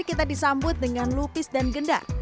kita disambut dengan lupis dan gendar